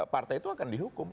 partai itu akan dihukum